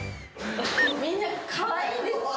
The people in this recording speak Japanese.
みんなかわいいですし。